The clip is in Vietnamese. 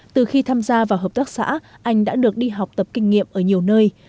từ khi tham gia vào hợp tác xã anh đã được đi học tập kinh nghiệm ở nhiều nơi